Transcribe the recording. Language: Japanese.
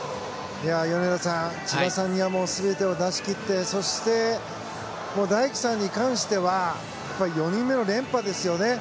米田さん千葉さんには全てを出しきってそして、大輝さんに関しては４人目の連覇ですよね。